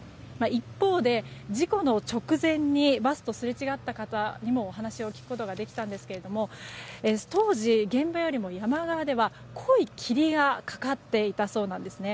一方で、事故の直前にバスとすれ違った方にもお話を聞くことができたんですけれども当時、現場よりも山側では濃い霧がかかっていたそうなんですね。